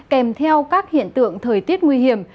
kèm theo các hiện tượng thời tiết nguy hiểm